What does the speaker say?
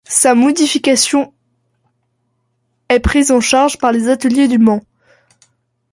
Sa modification est prise en charge par les ateliers du Mans.